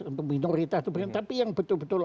untuk minoritas tapi yang betul betul